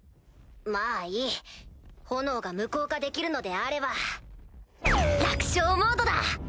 まぁいい炎が無効化できるのであれば楽勝モードだ！